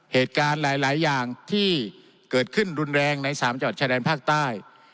เหตุการณ์หลายอย่างที่เกิดขึ้นรุนแรงใน๓จังหวัดชายแดนภาคใต้